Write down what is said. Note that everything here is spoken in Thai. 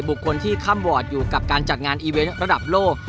บุคคลที่ค่ำวอร์ดอยู่กับการจัดงานอีเวนต์ระดับโลก